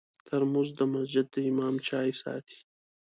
ترموز د مسجد د امام چای ساتي.